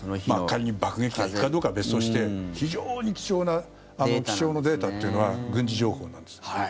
仮に爆撃機が行くかどうかは別として非常に貴重な気象のデータっていうのは軍事情報なんです。